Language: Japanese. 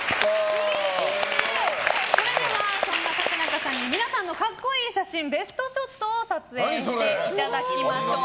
それではそんな竹中さんに皆さんの格好いいベストショットを撮影していただきましょう。